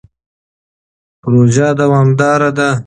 پروژه دوامداره ده.